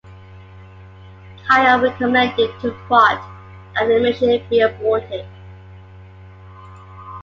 Kyle recommended to Vaught that the mission be aborted.